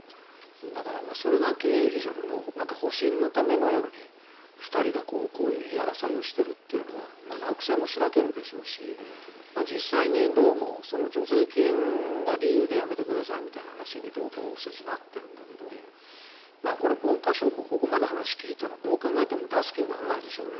だから、それが経営陣の保身のためのように２人がこういう言い争いをしているというのは学生もしらけるでしょうし実際に、どうも助成金が理由で辞めてくださいという話にどうも大筋なっているんだけどこれ、文科省もここまで話を聞いたらどう考えても出す気にならないでしょうね。